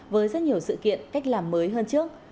với rất nhiều sự kiện cách làm mới hơn trước